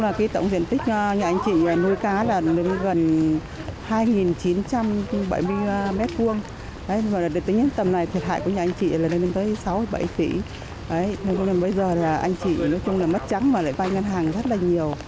anh chị là lên đến tới sáu bảy tỷ bây giờ là anh chị nói chung là mất trắng và lại vai ngân hàng rất là nhiều